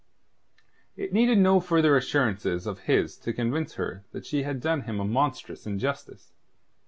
It needed no further assurances of his to convince her that she had done him a monstrous injustice.